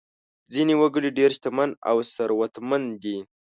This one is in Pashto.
ځینې وګړي ډېر شتمن او ثروتمند دي.